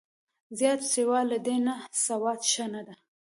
زیات سیوا له دې نه، سودا ښه نه ده